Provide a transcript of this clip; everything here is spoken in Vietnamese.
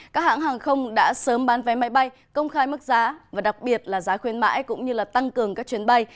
các hãng hàng không đã sớm bán vé máy bay công khai mức giá và đặc biệt là giá khuyên mãi cũng như tăng cường các chuyến bay